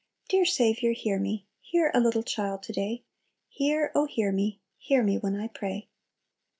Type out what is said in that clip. Dear Saviour, hear me, Hear a little child to day; Hear, oh hear me; Hear me when I pray."